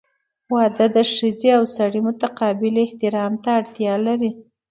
• واده د ښځې او سړي متقابل احترام ته اړتیا لري.